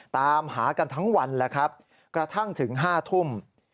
ตามหากันทั้งวันแล้วครับกระทั่งถึง๕ทุ่ม